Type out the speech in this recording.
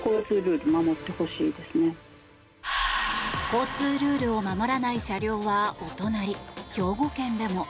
交通ルールを守らない車両はお隣、兵庫県でも。